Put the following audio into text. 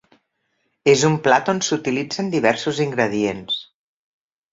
És un plat on s'utilitzen diversos ingredients.